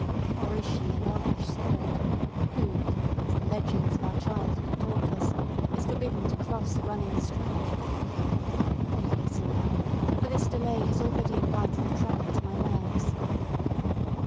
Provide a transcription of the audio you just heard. Or is she an elfish spirit, who, as the legends of our childhood taught us, is forbidden to cross a running stream? Pray hasten her, for this delay has already imparted a tremor to my nerves."